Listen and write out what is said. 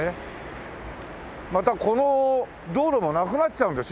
またこの道路もなくなっちゃうんでしょ？